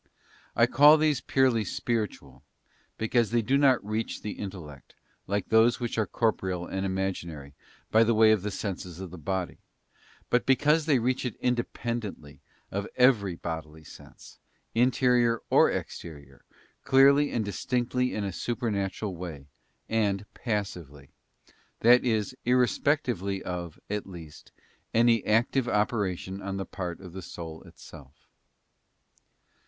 I call these purely spiritual, because they do not reach the intellect, like those which are corporeal and imaginary, by the way of the senses of the body; but because they reach it independently of every bodily sense, interior or exterior, clearly and distinctly in a supernatural way, and passively; that is, irrespectively of, at least, any active operation on the part of the soul itself.